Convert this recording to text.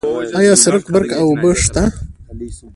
آیا سرک، برق او اوبه شته؟